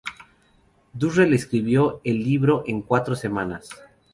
Durrell escribió el libro en cuatro semanas.